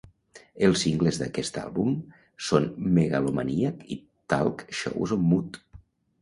Els singles d'aquest àlbum són "Megalomaniac" i "Talk Shows on Mute".